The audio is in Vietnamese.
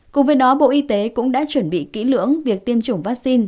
cùng với đó bộ y tế cũng đã chuẩn bị kỹ lưỡng việc tiêm chủng vaccine